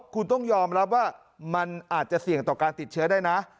คุณต้องยอมรับว่ามันอาจจะเสี่ยงต่อการติดเชื้อได้นะ